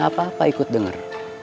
apa apa ikut dengar